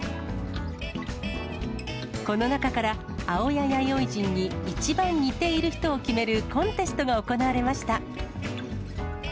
この中から、青谷弥生人に一番似ている人を決めるコンテストが行われました。